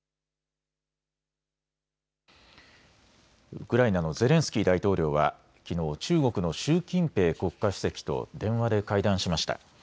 ウクライナのゼレンスキー大統領はきのう、中国の習近平国家主席と電話で会談しました。